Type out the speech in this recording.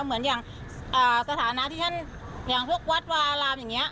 เหมือนอย่างสถานะที่ท่านอย่างพวกวัดวารามอย่างนี้